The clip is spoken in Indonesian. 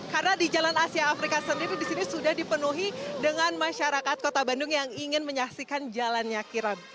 karena di jalan asia afrika sendiri di sini sudah dipenuhi dengan masyarakat kota bandung yang ingin menyaksikan jalannya kiram